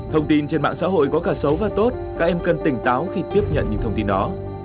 thông tin trên mạng xã hội có cả xấu và tốt các em cần tỉnh táo khi tiếp nhận những thông tin đó